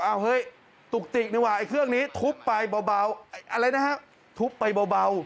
เอาเฮ้ยตุกติกดีกว่าไอ้เครื่องนี้ทุบไปเบาอะไรนะฮะทุบไปเบา